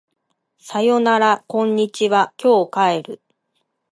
さよならこんにちは今日帰る